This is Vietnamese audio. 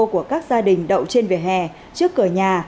của các gia đình đậu trên vỉa hè trước cửa nhà